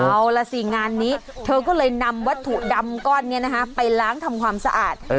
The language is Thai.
เอาล่ะสิงานนี้เธอก็เลยนำวัตถุดำก้อนนี้ไปล้างทำความสะอาด